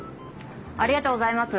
ありがとうございます。